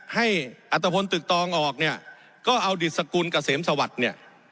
ให้อัตภพลตึกตองออกเนี่ยก็เอาดิตสกุลเกษมสวัสดิ์เนี่ย